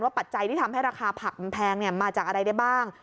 ปัจจัยที่ทำให้ราคาผักมันแพงมาจากอะไรได้บ้าง